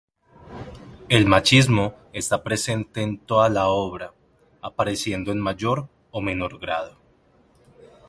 El machismo está presente en toda la obra, apareciendo en mayor o menor grado.